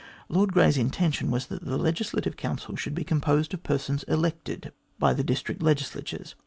Lord Grey's intention was that the Legislative Council should be composed of persons elected by the district legislatures.